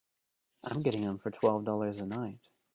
I'm getting them for twelve dollars a night.